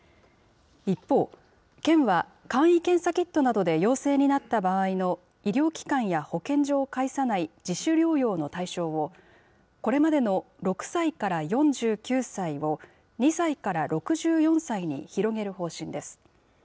一方、県は簡易検査キットなどで陽性になった場合の医療機関や保健所を介さない自主療養の対象を、これまでの６歳から４９歳を、２歳から６４歳に広げる方針です。